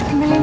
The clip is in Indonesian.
ini buat kamu